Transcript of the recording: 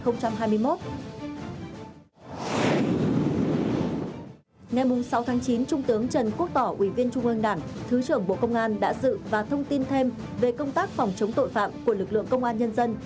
ngày sáu chín trung tướng trần quốc tỏ ủy viên trung ương đảng thứ trưởng bộ công an đã dự và thông tin thêm về công tác phòng chống tội phạm của lực lượng công an nhân dân